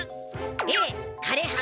Ａかれは。